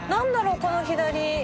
この左。